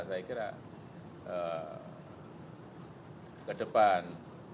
saya kira ke depan